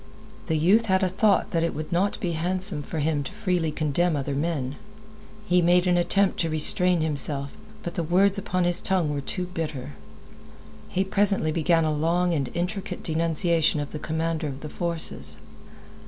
The youth had a thought that it would not be handsome for him to freely condemn other men. He made an attempt to restrain himself, but the words upon his tongue were too bitter. He presently began a long and intricate denunciation of the commander of the forces.